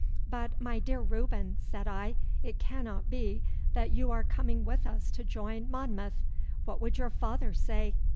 'But, my dear Reuben,' said I, 'it cannot be that you are coming with us to join Monmouth. What would your father say?